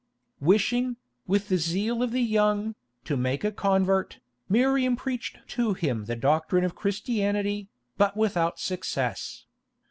Wishing, with the zeal of the young, to make a convert, Miriam preached to him the doctrine of Christianity, but without success.